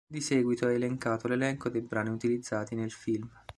Di seguito è elencato l'elenco dei brani utilizzati nel film.